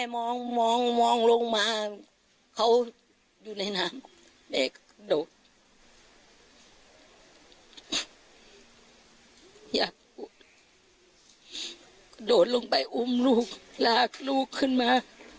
แม่ก็โดดลงไปอุ้มลูกลากลูกขึ้นมา